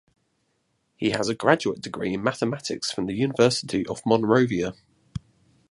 He has a graduate degree in Mathematics from the University of Monrovia.